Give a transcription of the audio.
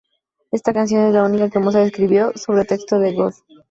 Esta canción es la única que Mozart escribió sobre texto de Goethe.